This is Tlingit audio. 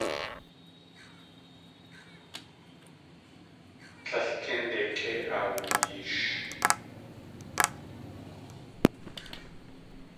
Tlél kínde kei awuyeesh.